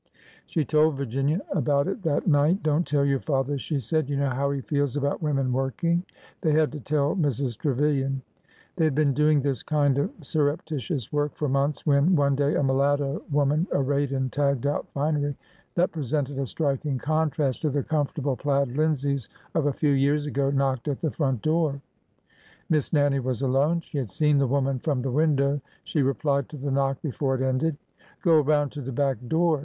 She told Virginia about it that night. '' Don't tell your father," she said ; you know how he feels about women working," They had to tell Mrs. Trevilian. They had been doing this kind of surreptitious work for months when, one day, a mulatto woman arrayed in tagged out finery that presented a striking contrast to the comfortable plaid linseys of a few years ago knocked at the front door. Miss Nannie was alone. She had seen the woman from the window. She replied to the knock before it ended. Go around to the back door